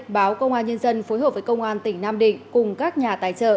báo công an nhân dân phối hợp với công an tỉnh nam định cùng các nhà tài trợ